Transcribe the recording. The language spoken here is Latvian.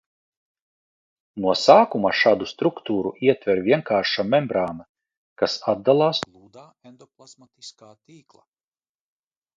No sākuma šādu struktūru ietver vienkārša membrāna, kas atdalās no gludā endoplazmatiskā tīkla.